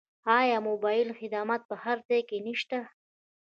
آیا موبایل خدمات په هر ځای کې نشته؟